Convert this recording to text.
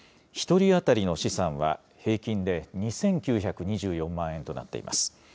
１人当たりの資産は、平均で２９２４万円となっています。